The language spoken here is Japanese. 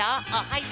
はい！